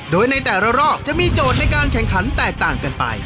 โดยในแต่ละรอบจะมีโจทย์ในการแข่งขันแตกต่างกันไป